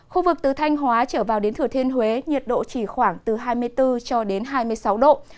khu vực từ thanh hóa trở vào đến thừa thiên huế nhiệt độ chỉ khoảng từ hai mươi bốn cho đến hai mươi sáu độ